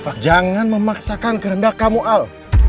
pak jangan memaksakan kehendak kamu al